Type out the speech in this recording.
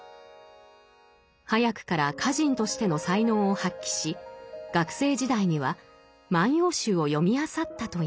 早くから歌人としての才能を発揮し学生時代には「万葉集」を読みあさったといいます。